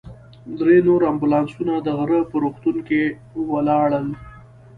درې نور امبولانسونه د غره په روغتون کې ولاړ ول.